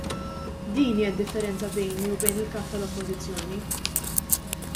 Din hija d-differenza bejni u bejn il-Kap tal-Oppożizzjoni.